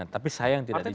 tapi sayang tidak dijawab